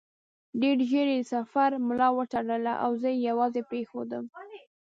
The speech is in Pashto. ډېر ژر یې د سفر ملا وتړله او زه یې یوازې پرېښودم.